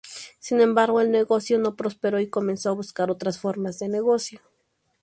Sin embargo el negocio no prosperó y comenzó a buscar otras formas de negocio.